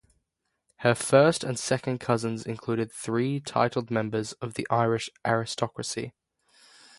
Her first and second cousins included three titled members of the Irish aristocracy.